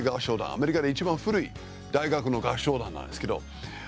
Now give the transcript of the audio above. アメリカでいちばん古い大学の合唱団なんですけど。